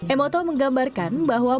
emoto menggambarkan bahwa